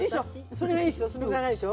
それがいいでしょ。